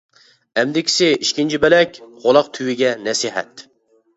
ئەمدىكىسى ئىككىنچى بۆلەك، قۇلاق تۈۋىگە نەسىھەت.